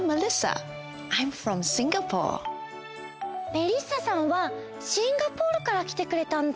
メリッサさんはシンガポールからきてくれたんだ！